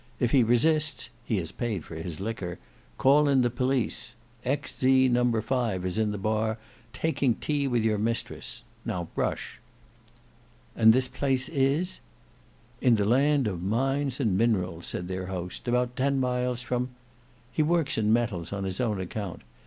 If he resists (he has paid for his liquor), call in the police; X. Z. No. 5 is in the bar, taking tea with your mistress. Now brush." "And this place is—" "In the land of mines and minerals," said their host; "about ten miles from ——. He works in metals on his own account.